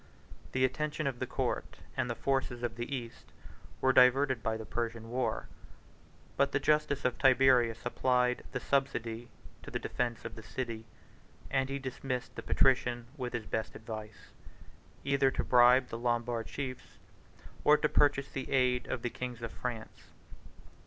The attention of the court, and the forces of the East, were diverted by the Persian war: but the justice of Tiberius applied the subsidy to the defence of the city; and he dismissed the patrician with his best advice, either to bribe the Lombard chiefs, or to purchase the aid of the kings of France.